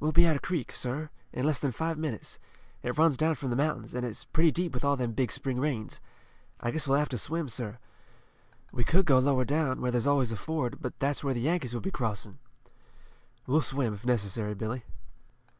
We'll be at a creek, sir, in less than five minutes. It runs down from the mountains, an' it's pretty deep with all them big spring rains. I guess we'll have to swim, sir. We could go lower down, where there's always a ford, but that's where the Yankees would be crossing." "We'll swim, if necessary, Billy."